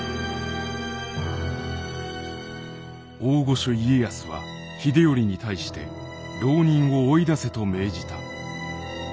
「大御所家康は秀頼に対して牢人を追い出せと命じた。